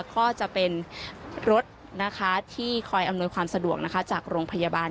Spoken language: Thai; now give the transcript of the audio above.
ก็จะเป็นรถที่คอยอำนวยความสะดวกจากโรงพยาบาล